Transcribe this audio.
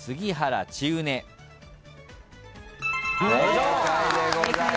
正解でございます。